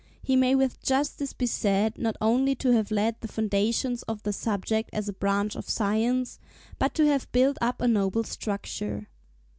' He may with justice be said, not only to have laid the foundations of the subject as a branch of science, but to have built up a noble structure.